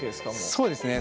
そうですね